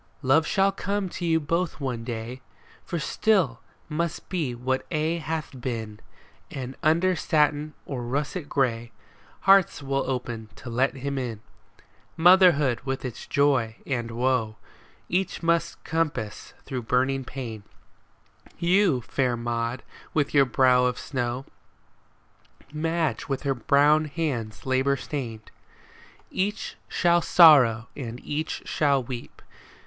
Love shall come to you both one day. For still must be what aye hath been ; And under satin or russet gray Hearts will open to let him in. Motherhood with its joy and woe Each must compass through burning pain, — You, fair Maud, with your brow of snow, Madge with her brown hands labor stained. Each shall sorrow and each shall weep.